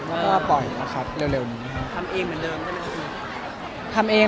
ก็โปร์เจกต์ของตัวเอง